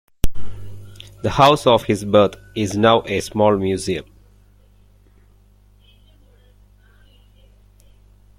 The house of his birth is now a small museum.